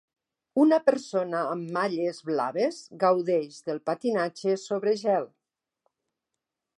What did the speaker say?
Una persona amb malles blaves gaudeix del patinatge sobre gel.